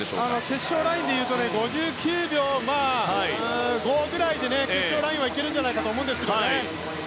決勝ラインでいうと５９秒５ぐらいで決勝ラインは行けるのではと思うんです。